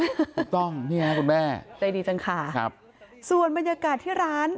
ไม่ต้องนี่แหละคุณแม่ใจดีจังค่ะส่วนบรรยากาศที่ร้าน